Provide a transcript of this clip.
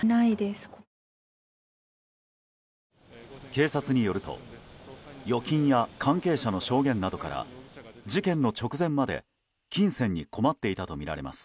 警察によると預金や関係者の証言などから事件の直前まで金銭に困っていたとみられます。